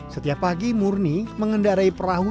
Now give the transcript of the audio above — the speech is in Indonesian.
setiap pagi murni mengendarai perahu yang diselenggarakan